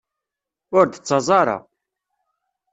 Ur d-ttaẓ ara.